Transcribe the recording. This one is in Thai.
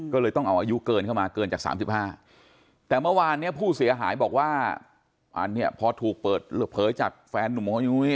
ก็เลยต้องเอาอายุเกินเข้ามาเกินจาก๓๕แต่เมื่อวานเนี่ยผู้เสียหายบอกว่าอันนี้พอถูกเปิดเผยจากแฟนหนุ่มของยุ้ย